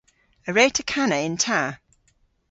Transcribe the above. A wre'ta kana yn ta?